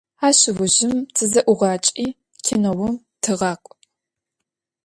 Aş ıujjım tıze'uğaç'i, kinoum tığak'u.